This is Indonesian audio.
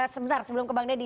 sebentar sebelum ke bang deddy